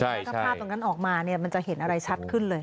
ถ้าภาพตรงนั้นออกมาเนี่ยมันจะเห็นอะไรชัดขึ้นเลย